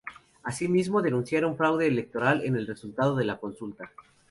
Así mismo denunciaron fraude electoral en el resultado de la consulta.